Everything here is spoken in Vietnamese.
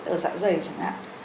ở dạ dày chẳng hạn